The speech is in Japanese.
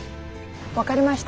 分かりました。